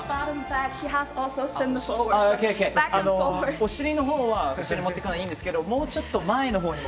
お尻を後ろに持っていくのはいいんですけどもうちょっと前のほうも。